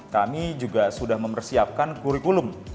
kami juga sudah mempersiapkan kurikulum